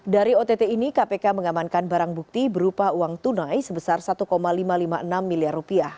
dari ott ini kpk mengamankan barang bukti berupa uang tunai sebesar rp satu lima ratus lima puluh enam miliar